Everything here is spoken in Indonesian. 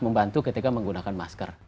membantu ketika menggunakan masker